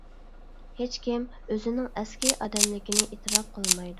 ھېچكىم ئۆزىنىڭ ئەسكى ئادەملىكىنى ئېتىراپ قىلمايدۇ.